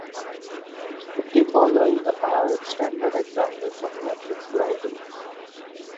The following are standard examples of matrix Lie groups.